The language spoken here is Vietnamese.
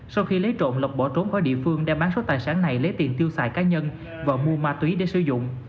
sau khi lấy trộm lộc bỏ trốn khỏi địa phương đem bán số tài sản này lấy tiền tiêu xài cá nhân và mua ma túy để sử dụng